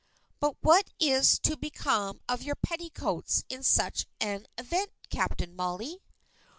"But what is to become of your petticoats, in such an event, Captain Molly?"